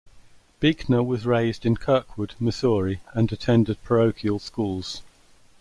Buechner was raised in Kirkwood, Missouri and attended parochial schools.